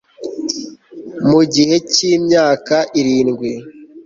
mu gihe cy'imyaka irindwi